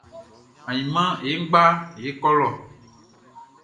Ainman ye nʼgba ye kɔ lɔ.